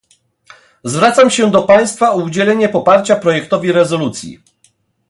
Zwracam się do państwa o udzielenie poparcia projektowi rezolucji